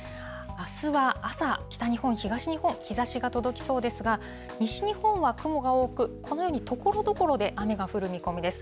あすは朝、北日本、東日本、日ざしが届きそうですが、西日本は雲が多く、このように、ところどころで雨が降る見込みです。